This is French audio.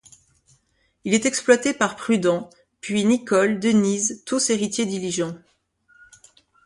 Il est exploité par Prudent puis Nicole, Denise tous héritier Diligent.